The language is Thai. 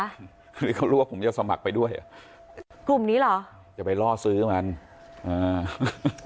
คือเขารู้ว่าผมจะสมัครไปด้วยอ่ะกลุ่มนี้เหรอจะไปล่อซื้อมันอ่า